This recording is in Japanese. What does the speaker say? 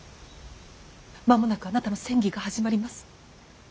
間もなくあなたの詮議が始まります。